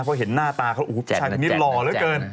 เพราะเห็นหน้าตาเขาชายคนนี้หล่อเหลือเกิน